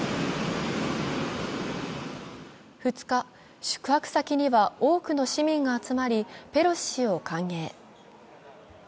２日、宿泊先には多くの市民が集まり、ペロシ氏を歓迎。